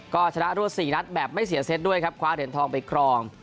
ก็ชนะรวด๔นัดแบบไม่เสียเซตด้วยครับคว้าเหรียญทองไปครอง